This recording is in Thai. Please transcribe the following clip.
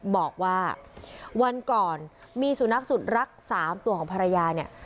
บอกว่าวันก่อนมีสุนัขสุดรัก๓ตัวของภรรยาเนี่ย